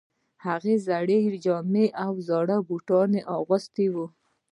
هغه زړې جامې او زاړه بوټان اغوستي وو